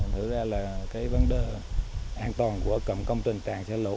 thật ra là vấn đề an toàn của cầm công trình tràn xả lũ